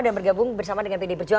dan bergabung bersama dengan pd perjuangan